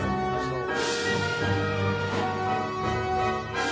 そう。